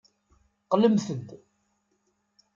Qqlemt-d.